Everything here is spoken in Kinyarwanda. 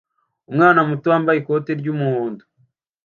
umwana muto wambaye ikoti ry'umuhondo